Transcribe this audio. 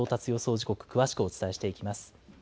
時刻、詳しくお伝えしていきます。